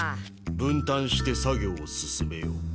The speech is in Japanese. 分担して作業を進めよう。